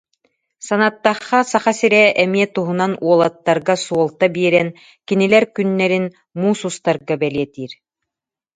Санаттахха Саха сирэ эмиэ туһунан уолаттарга суолта биэрэн, кинилэр күннэрин муус устарга бэлиэтиир